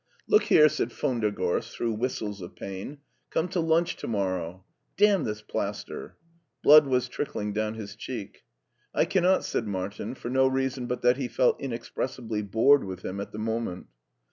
" Look here," said von der Gorst, through whistles of pain, "come to lunch to morrow. Damn this plaster !" Blood was trickling down his cheek. I cannot," said Martin, for no reason but that he felt inexpressibly bored with him at that moment.